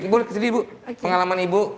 ibu sedih ibu pengalaman ibu